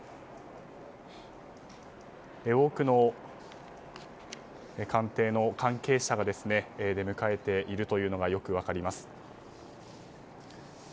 多くの官邸の関係者が出迎えているのがよく分かります。